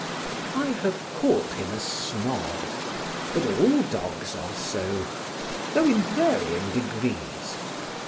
I have called him a snob; but all dogs are so, though in varying degrees.